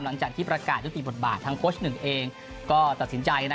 หลังจากที่ประกาศยุติบทบาททางโค้ชหนึ่งเองก็ตัดสินใจ